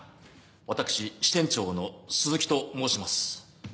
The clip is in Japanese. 私支店長の鈴木と申します。